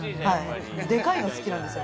でかいの好きなんですよ。